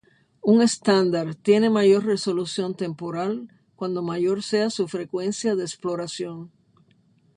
Un estándar tiene mayor resolución temporal cuando mayor sea su frecuencia de exploración.